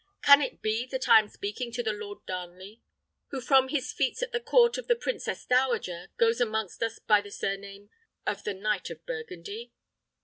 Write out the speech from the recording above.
Can it be that I am speaking to the Lord Darnley, who from his feats at the court of the princess dowager, goes amongst us by the surname of the Knight of Burgundy?"